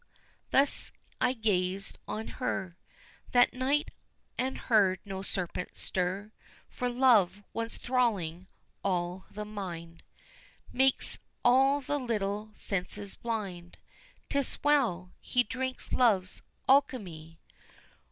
thus I gazed on her That night and heard no serpent stir, For love, once thralling all the mind, Makes all the little senses blind; 'Tis well! he drinks love's alchemy!